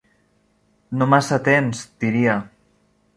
No massa temps, diria?